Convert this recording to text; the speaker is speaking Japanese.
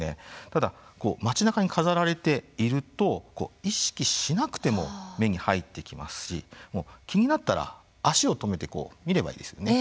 ただ、街なかに飾られていると意識しなくても目に入ってきますし気になったら足を止めて見ればいいですよね。